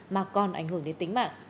mà còn ảnh hưởng đến tính mạng